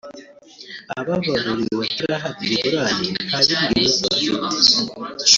Ababaruriwe batarahabwa ingurane nta bindi bibazo bafite